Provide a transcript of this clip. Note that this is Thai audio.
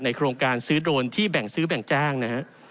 โครงการซื้อโดรนที่แบ่งซื้อแบ่งจ้างนะฮะ